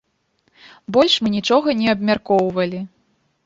Больш мы нічога не абмяркоўвалі.